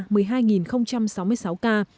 mỹ đang lợi ích